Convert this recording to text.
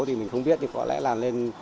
thì mình không biết nhưng có lẽ là lên